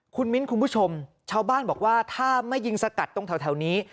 คุณมิ้นคุณผู้ชมชาวบ้านบอกว่าถ้าไม่ยิงสกัดตรงแถวนี้